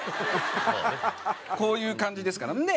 こういう感じですから。